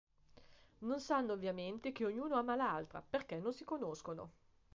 Non sanno ovviamente che ognuno ama l'altra, perché non si conoscono.